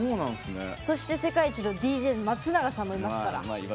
そして、世界一のＤＪの松永さんもいますから。